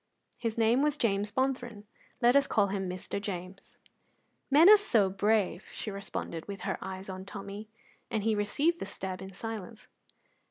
His name was James Bonthron; let us call him Mr. James. "Men are so brave!" she responded, with her eyes on Tommy, and he received the stab in silence.